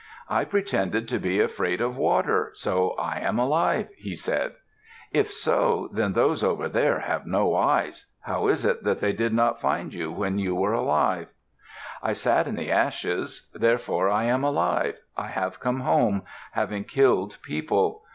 "I pretended to be afraid of water, so I am alive," he said. "If so, then those over there have no eyes. How is it that they did not find you when you were alive?" "I sat in the ashes, therefore I am alive. I have come home, having killed people.